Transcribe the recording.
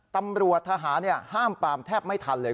ตำรวจทหารห้ามปามแทบไม่ทันเลย